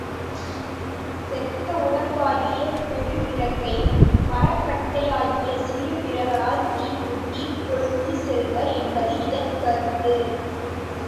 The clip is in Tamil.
செத்த உடம்பாகிய பெருவிறகை, மரக்கட்டையாகிய சிறு விறகால் தீமூட்டிக் கொளுத்திச் செல்வர் என்பது இதன் கருத்து.